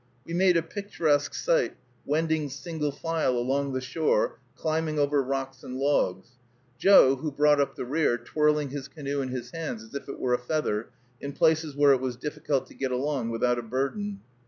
We made a picturesque sight, wending single file along the shore, climbing over rocks and logs, Joe, who brought up the rear, twirling his canoe in his hands as if it were a feather, in places where it was difficult to get along without a burden.